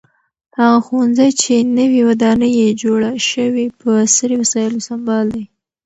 هغه ښوونځی چې نوې ودانۍ یې جوړه شوې په عصري وسایلو سمبال دی.